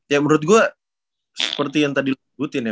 ya menurut gue seperti yang tadi sebutin ya